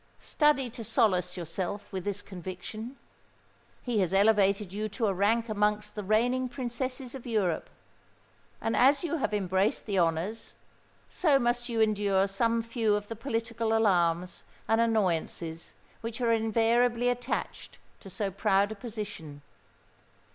Study to solace yourself with this conviction. He has elevated you to a rank amongst the reigning princesses of Europe; and as you have embraced the honours, so must you endure some few of the political alarms and annoyances which are invariably attached to so proud a position.